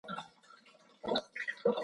دا مسایل په میتافیزیک پورې اړه لري.